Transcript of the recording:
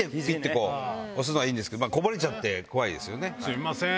「すみません」。